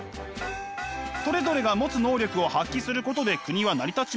それぞれが持つ能力を発揮することで国は成り立ちます。